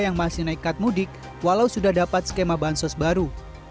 yang masih nekat mudik walau sudah dapat skema bansos baru